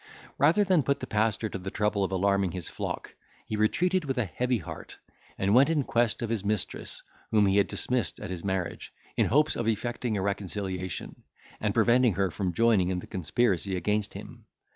Rather than put the pastor to the trouble of alarming his flock, he retreated with a heavy heart, and went in quest of his mistress, whom he had dismissed at his marriage, in hopes of effecting a reconciliation, and preventing her from joining in the conspiracy against him.